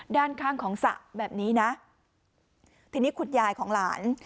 ด้านข้างของสระแบบนี้นะทีนี้คุณยายของหลาน